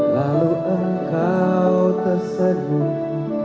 lalu engkau tersenyum